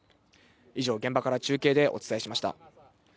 以上、現場から中継でお伝えしました。